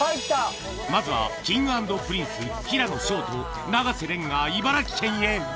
まずはＫｉｎｇ＆Ｐｒｉｎｃｅ・平野紫耀と永瀬廉が茨城県へ。